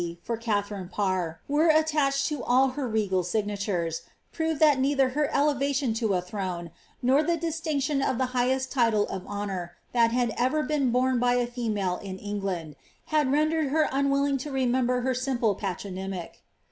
for Katharine Parr, which are attached to all her regal signatures, prove that neither her elevation to a throne, nor the dis tinction of the highest title of honour that had ever been borne by i female in England, had rendered her unwilling to remember her simple patronymic.